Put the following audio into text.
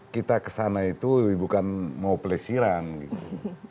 kita kesana itu bukan mau pelesiran gitu